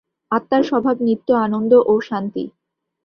আত্মার স্বভাব নিত্য আনন্দ ও শান্তি।